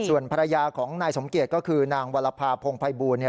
ส่วนภรรยาของนายสมเกียจก็คือนางวรภาพงภัยบูล